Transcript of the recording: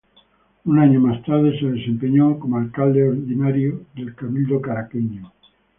Un año más tarde se desempeñó como Alcalde ordinario del Cabildo caraqueño.